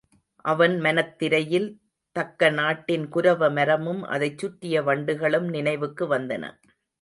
அவன் மனத் திரையில் தக்கநாட்டின் குரவ மரமும் அதைச் சுற்றிய வண்டுகளும் நினைவுக்கு வந்தன.